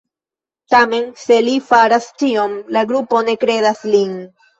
Tamen, se li faras tion, la grupo ne kredas lin.